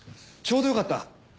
ちょうどよかった。